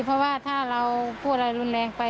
เพราะว่าถ้าเราพูดอะไรรุนแรงไป